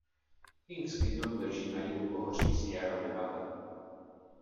Kings Canyon leží na jihu pohoří Sierra Nevada.